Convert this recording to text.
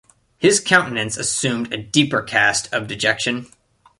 His countenance assumed a deeper cast of dejection.